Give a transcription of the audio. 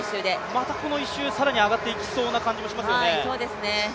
またこの１周、更に上がっていきそうな感じもしますよね。